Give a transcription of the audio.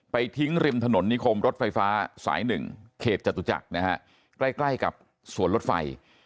ไปทิ้งริมถนนิคมรถไฟฟ้าสาย๑เขตจตุจักรใกล้กับสวนรถไฟ